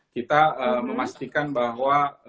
kita memastikan bahwa